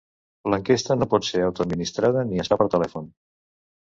L'enquesta no pot ser autoadministrada ni es fa per telèfon.